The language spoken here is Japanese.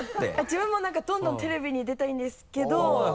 自分も何かどんどんテレビに出たいんですけど。